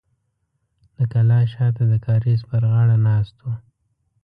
د کلا شاته د کاریز پر غاړه ناست و.